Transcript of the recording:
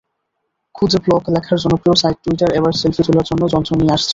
খুদে ব্লগ লেখার জনপ্রিয় সাইট টুইটার এবার সেলফি তোলার জন্য যন্ত্র নিয়ে আসছে।